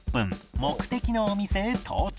目的のお店へ到着